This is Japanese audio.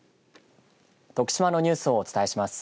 徳島のニュースをお伝えします。